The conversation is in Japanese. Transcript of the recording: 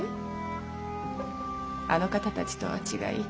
あの方たちとは違い